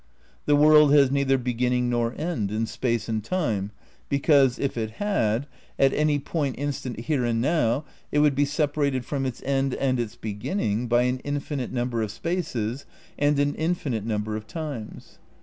The world has neither beginning nor end in space and time because, if it had, at any point instant here and now it would be separated from its end and its beginning by an infinite number of spaces and an infinite number of times.